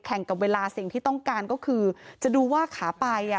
กับเวลาสิ่งที่ต้องการก็คือจะดูว่าขาไปอ่ะ